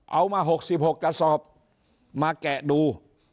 เอามา๖๖กระสอบมาแกะดู